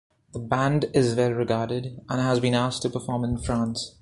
The band is well-regarded and has been asked to perform in France.